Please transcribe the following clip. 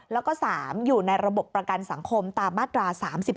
แล้วก็๓อยู่ในระบบประกันสังคมตามมาตรา๓๒